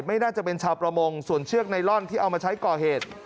ไม่น่าจะเป็นชาวประมงส่วนเชือกไนลอนที่เอามาใช้ก่อเหตุ